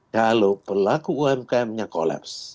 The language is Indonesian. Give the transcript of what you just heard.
kalau pelaku umkmnya kolep